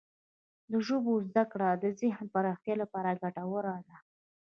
د ژبو زده کړه د ذهن پراختیا لپاره ګټوره ده.